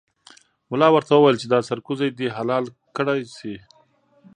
ملا ورته وویل چې دا سرکوزی دې حلال کړای شي.